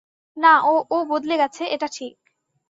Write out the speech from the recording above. না, ও, ও বদলে গেছে, এটা ঠিক।